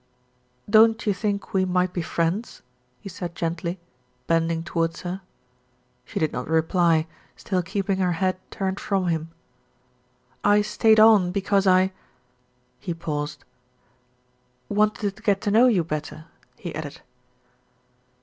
"Don't you think we might be friends?" he said gently, bending towards her. She did not reply, still keeping her head turned from him. "I stayed on because I " he paused, "wanted to get to know you better," he added.